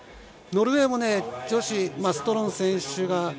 ノルウェーも女子、ストロン選手